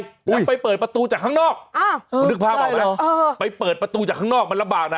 คุณไปเปิดประตูจากข้างนอกคุณนึกภาพออกไหมไปเปิดประตูจากข้างนอกมันลำบากนะ